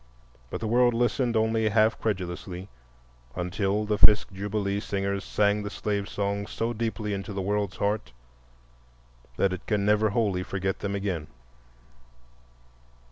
But the world listened only half credulously until the Fisk Jubilee Singers sang the slave songs so deeply into the world's heart that it can never wholly forget them again.